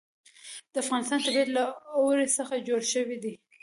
د افغانستان طبیعت له اوړي څخه جوړ شوی دی.